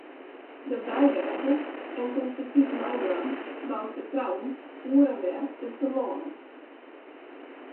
Derby wêze, en konstruktyf meidwaan, bouwt fertrouwen oer en wer tusken lannen.